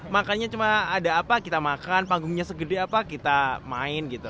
makannya cuma ada apa kita makan panggungnya segede apa kita main gitu aja dan gitu aja